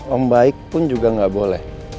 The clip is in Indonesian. om baik pun juga gak boleh